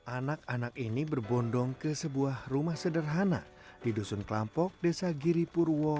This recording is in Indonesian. anak anak ini berbondong ke sebuah rumah sederhana di dusun kelampok desa giri purwo